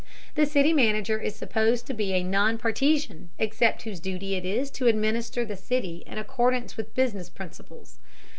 The city manager is supposed to be a non partisan expert whose duty it is to administer the city in accordance with business principles.